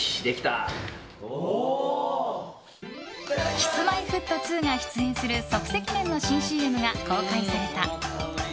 Ｋｉｓ‐Ｍｙ‐Ｆｔ２が出演する即席麺の新ＣＭが公開された。